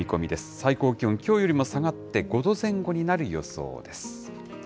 最高気温、きょうよりも下がって５度前後になる予想です。